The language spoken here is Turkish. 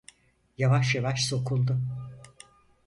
Yavaş yavaş sokuldu.